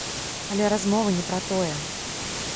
Але размова не пра тое.